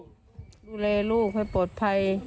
ไปดูลูกดูเลลูกให้ปลอดภัย